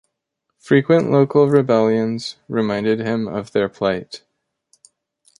Frequent local rebellions reminded him of their plight.